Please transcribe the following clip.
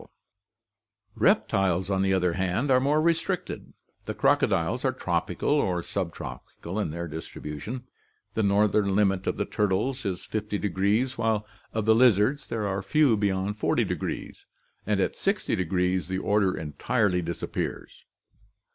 52 ORGANIC EVOLUTION Reptiles, on the other hand, are more restricted; the crocodiles are tropical or subtropical in their distribution, the northern limit of the turtles is 500, while of the lizards there are few beyond 400, and at 6o° the order entirely disappears.